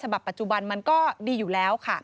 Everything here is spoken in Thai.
ฉบับปัจจุบันมันก็ดีอยู่แล้ว